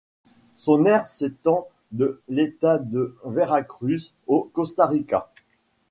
Son aire s'étend de l'État de Veracruz au Costa Rica.